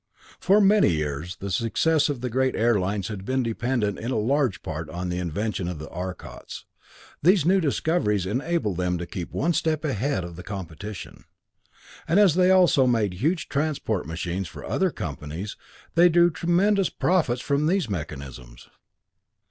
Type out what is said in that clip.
For many years the success of the great air lines had been dependent in large part on the inventions of the Arcots; these new discoveries enabled them to keep one step ahead of competition, and as they also made the huge transport machines for other companies, they drew tremendous profits from these mechanisms.